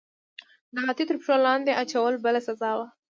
د هاتي تر پښو لاندې اچول بله سزا وه.